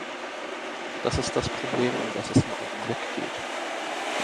Das ist das Problem, um das es im Augenblick geht.